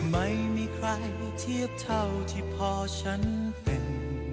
ไม่มีใครเทียบเท่าที่พอฉันเป็น